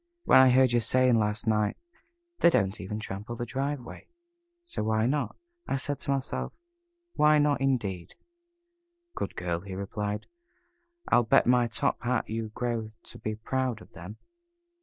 When I heard you saying last night, 'They don't even trample the driveway, so why not?' I said to myself, 'Why not?' indeed." "Good girl," he replied. "I'll bet my top hat you grow to be proud of them."